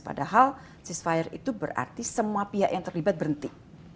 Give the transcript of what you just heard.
padahal ceasefire itu berarti semua pihak yang terlibat berhenti